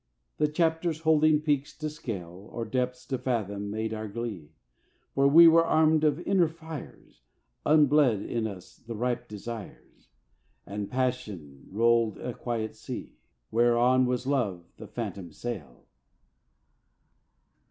The chapters holding peaks to scale, Or depths to fathom, made our glee; For we were armed of inner fires, Unbled in us the ripe desires; And passion rolled a quiet sea, Whereon was Love the phantom sail.